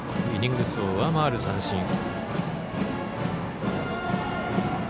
イニング数を上回る三振。